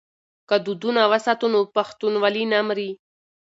که دودونه وساتو نو پښتونوالي نه مري.